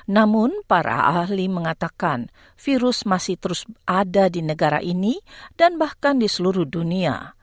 namun para ahli mengatakan virus masih terus ada di negara ini dan bahkan di seluruh dunia